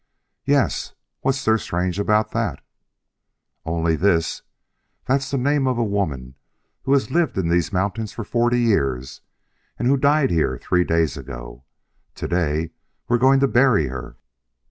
"Yes. What's there strange about that?" "Only this: That's the name of a woman who has lived in these mountains for forty years, and who died here three days ago. To day we're going to bury her."